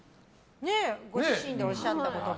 ご自身でおっしゃった言葉。